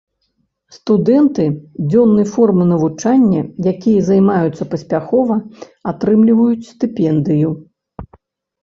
Студэнты дзённай формы навучання, якія займаюцца паспяхова, атрымліваюць стыпендыю.